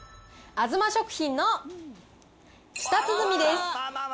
あづま食品の舌鼓です。